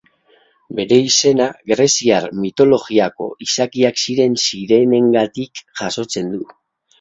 Bere izena greziar mitologiako izakiak ziren sirenengatik jasotzen du.